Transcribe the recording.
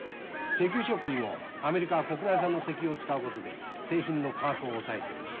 石油ショック以後アメリカは国内産の石油を使うことで製品の価格を抑えてる。